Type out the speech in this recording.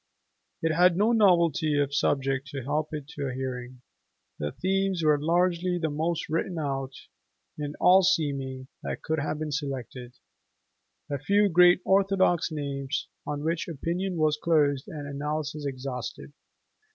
It had no novelty of subject to help it to a hearing; the themes were largely the most written out, in all seeming, that could have been selected, a few great orthodox names on which opinion was closed and analysis exhausted.